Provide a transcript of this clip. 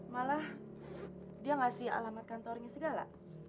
malah dia ngasih alamat kantornya segala